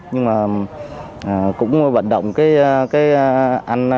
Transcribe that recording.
nhưng mà cũng bạn động cái baby nó rất là n sar